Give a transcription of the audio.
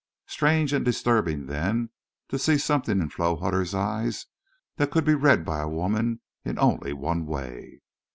Strange and disturbing then, to see something in Flo Hutter's eyes that could be read by a woman in only one way!